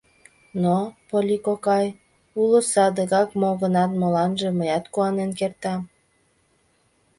— Но, Полли кокай, уло садыгак мо-гынат, моланже мыят куанен кертам.